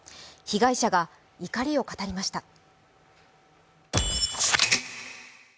被害者が怒りを語りました。